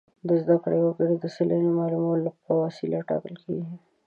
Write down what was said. د زده کړو وګړو د سلنې معلومولو په وسیله ټاکل کیږي.